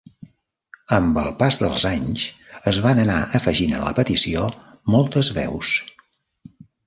Amb el pas dels anys es van anar afegint a la petició moltes veus.